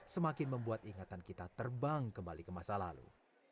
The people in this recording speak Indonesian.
semakin membuat ingatan kita terbang kembali ke masa lalu